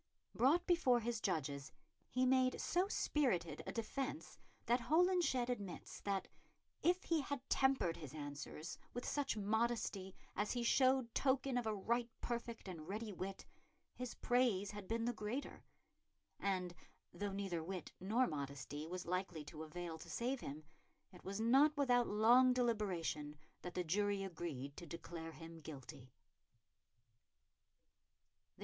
Brought before his judges, he made so spirited a defence that Holinshed admits that "if he had tempered his answers with such modesty as he showed token of a right perfect and ready wit, his praise had been the greater"; and though neither wit nor modesty was likely to avail to save him, it was not without long deliberation that the jury agreed to declare him guilty.